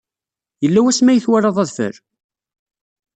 Yella wasmi ay twalaḍ adfel?